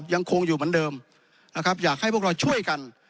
ยังคงอยู่เหมือนเดิมนะครับอยากให้พวกเราช่วยกัน